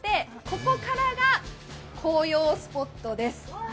ここからが紅葉スポットです。